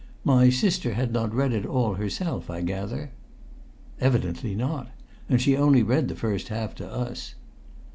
My sister had not read it all herself, I gather?" "Evidently not. And she only read the first half to us."